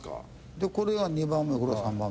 でこれが２番目これが３番目。